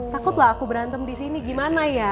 takut lah aku berantem di sini gimana ya